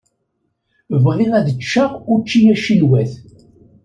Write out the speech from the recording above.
Bɣiɣ ad ččeɣ učči acinwat.